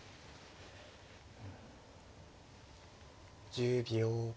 １０秒。